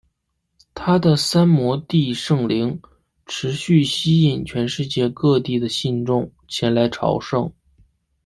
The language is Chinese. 他的三摩地圣陵持续吸引全世界各地的信众前来朝圣。